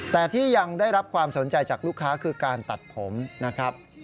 แต่ที่ยังได้รับความสนใจจากลูกค้าคือการตัดผมนะครับ